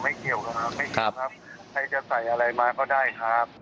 เกี่ยวกันครับไม่เกี่ยวครับใครจะใส่อะไรมาก็ได้ครับ